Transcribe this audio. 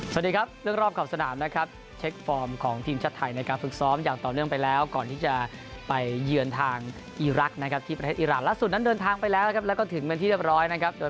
สวัสดีครับเรื่องรอบขอบสนามนะครับ